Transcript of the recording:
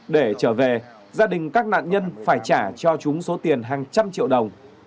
để trở về gia đình các nạn nhân phải trả cho chúng số tiền hàng trăm triệu đồng